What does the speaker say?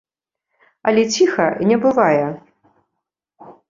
Але ціха не бывае.